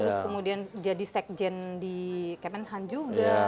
terus kemudian jadi sekjen di kemenhan juga